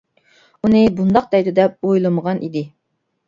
ئۇنى بۇنداق دەيدۇ دەپ ئويلىمىغان ئىدى.